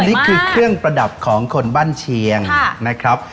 นี่คือเครื่องประดับของคนบ้านเชียงนะครับ